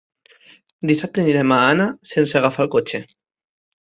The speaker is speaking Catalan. Dissabte anirem a Anna sense agafar el cotxe.